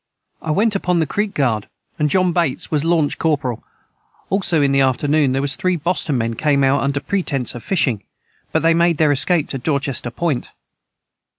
I went upon the creek guard and John Bates was Lanch corporeal also in the afternoon their was 3 Boston men came out under pretence of fishing but they made their escape to Dorchester point.